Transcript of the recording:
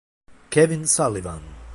Kevin Sullivan